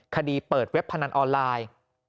คดีเปิดเว็บพนันออนไลน์